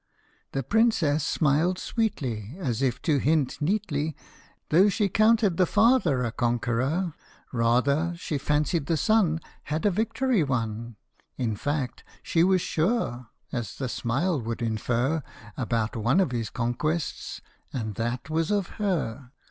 The Princess smiled sweetly, As if to hint neatly, Though she counted the father A conqueror rather, She fancied the son Had a victory won In fact, .she was sure as the smile would infer About one of his conquests, and that was of her